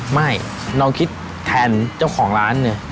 ไม่ลองคิดแทนเจ้าของร้านเนี่ย